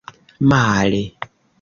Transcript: Male!